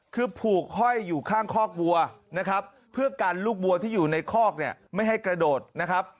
คือผูกห้อยอยู่ข้างคอกวัวนะครับเพื่อกันลูกวัวที่อยู่ในคอกเนี่ยไม่ให้กระโดดนะครับ